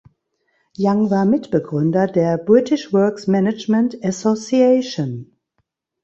Young war Mitbegründer der "British Works Management Association".